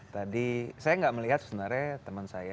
tadi saya nggak melihat sebenarnya teman saya